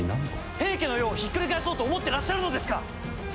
平家の世をひっくり返そうと思ってらっしゃるのですか！